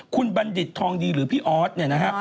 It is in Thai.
คุณบัณฑิตทองดีหรือพี่ออสเนี่ยนะฮะ